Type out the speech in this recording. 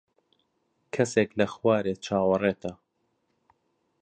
کەسێک لە خوارێ چاوەڕێتە.